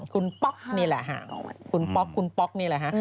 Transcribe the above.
คุณป๊อกนี่แหละห่างออกไปคุณป๊อกคุณป๊อกนี่แหละฮะ